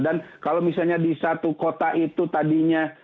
dan kalau misalnya di satu kota itu tadinya